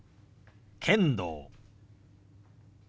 「剣道」。